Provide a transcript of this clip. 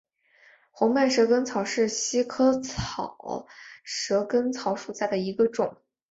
红脉蛇根草为茜草科蛇根草属下的一个种。